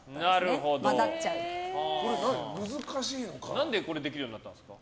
何でこれできるようになったんですか？